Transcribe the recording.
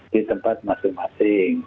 di tempat masing masing